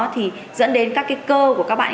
thì dẫn đến các cơ của các bạn